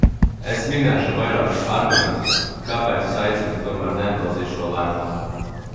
Es minēšu vairākus argumentus, kāpēc es aicinu tomēr neatbalstīt šo lēmumu.